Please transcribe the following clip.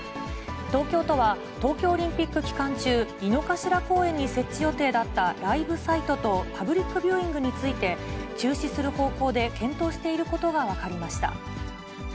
東京都は、東京オリンピック期間中、井の頭公園に設置予定だったライブサイトとパブリックビューイングについて、中止する方向で検討していることが分かりました。